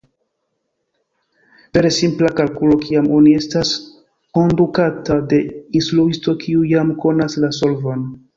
Vere simpla kalkulo, kiam oni estas kondukata de instruisto kiu jam konas la solvon.